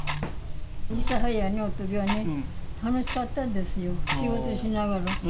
諫早におるときはね、楽しかったんですよ、仕事しながら。